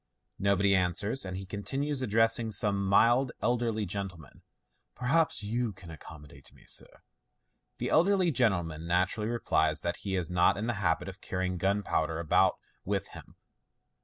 " Nobody answers, and he continues, addressing some mild elderly gentleman, " Perhaps you can accommodate me, sir ?" The elderly gentleman naturally replies that he is not in the habit of carrying gunpowder about with him.